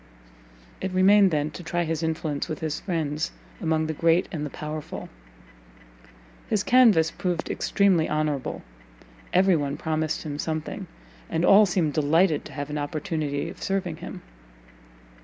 It remained then to try his influence with his friends among the great and the powerful. His canvas proved extremely honourable; every one promised something, and all seemed delighted to have an opportunity of serving him.